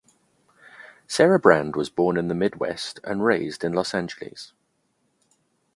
Sarah Brand was born in the Midwest and raised in Los Angeles.